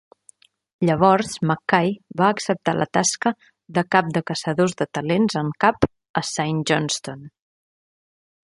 Llavors Mackay va acceptar la tasca de cap de caçadors de talents en cap a Saint Johnstone.